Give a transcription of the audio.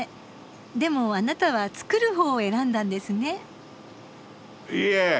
でもあなたはつくるほうを選んだんですね。